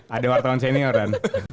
ada wartawan senioran